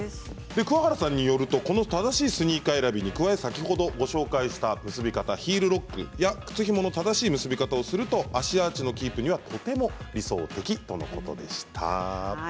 桑原さんによるとこの正しいスニーカー選びに加え先ほど紹介したヒールロックや靴ひもの正しい結び方をすると足アーチのキープにはとても理想的とのことでした。